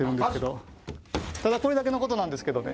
ただこれだけのことなんですけど。